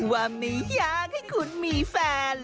ว่าไม่อยากให้คุณมีแฟน